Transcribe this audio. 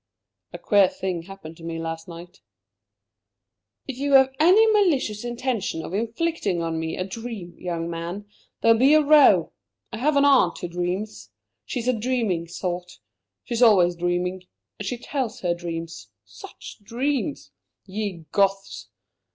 "A queer thing happened to me last night." "If you have any malicious intention of inflicting on me a dream, young man, there'll be a row. I have an aunt who dreams. She's a dreaming sort. She's always dreaming. And she tells her dreams such dreams! Ye Goths!